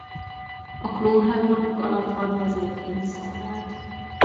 A klónháborúk alatt hadvezérként szolgált.